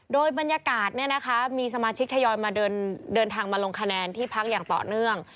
โดยบรรยากาศมีสมาชิกทยอยมาเดินทางมาลงคะแนนที่พักอย่างต่อเนื่อง